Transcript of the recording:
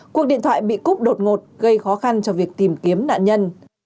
cuộc điện thoại bị cúp đột ngột gây khó khăn cho việc tìm kiếm nạn nhân